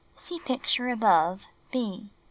(See picture above— B.) 5.